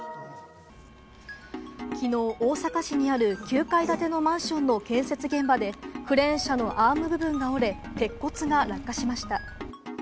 昨日、大阪市にある９階建てのマンションの建設現場で、クレーン車のアーム部分が折れ、鉄骨が落下しました。